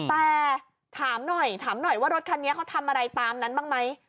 แต่ถามหน่อยถามหน่อยว่ารถคันนี้เขาทำอะไรตามนั้นบ้างไหม